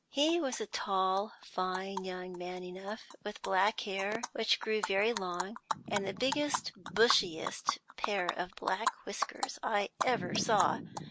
He was a tall, fine young man enough, with black hair, which grew very long, and the biggest, bushiest pair of black whiskers I ever saw.